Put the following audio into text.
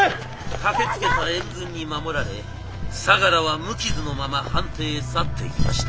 駆けつけた援軍に守られ相楽は無傷のまま藩邸へ去っていきました。